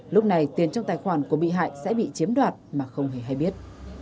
lúc này tiền trong tài khoản của bị hại sẽ bị chiếm đoạt mà không hề hay biết